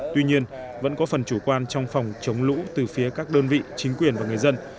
tuy nhiên vẫn có phần chủ quan trong phòng chống lũ từ phía các đơn vị chính quyền và người dân